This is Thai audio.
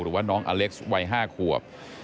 หรือว่าน้องอเล็กซ์วัย๕ขวบ